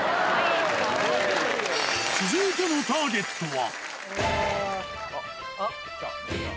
続いてのターゲットは。